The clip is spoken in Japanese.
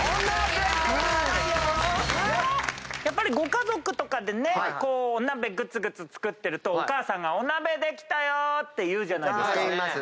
やっぱりご家族とかでねお鍋ぐつぐつ作ってるとお母さんが「お鍋できたよ」って言うじゃないですか。